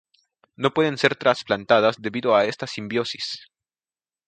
No pueden ser trasplantadas debido a esta simbiosis.